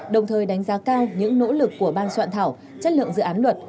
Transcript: đồng thời đánh giá cao những nỗ lực của ban soạn thảo chất lượng dự án luật